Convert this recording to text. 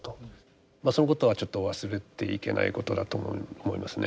そのことはちょっと忘れていけないことだと思いますね。